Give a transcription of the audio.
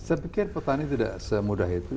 saya pikir petani tidak semudah itu